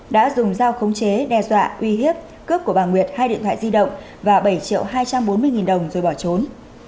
đã dùng dao khống chế đe dọa uy hiếp cướp của bà nguyệt hai điện thoại di động và bảy triệu hai trăm bốn mươi đồng rồi bỏ trốn